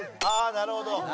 なるほど！